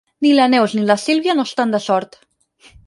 Ni la Neus ni la Sílvia no estan de sort.